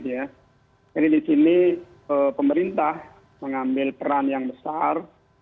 jadi di sini pemerintah mengambil peran yang besar